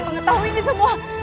mengetahui ini semua